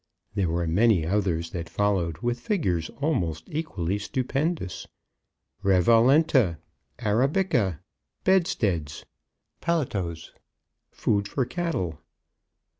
There were many others that followed with figures almost equally stupendous. Revalenta Arabica! Bedsteads! Paletots! Food for Cattle!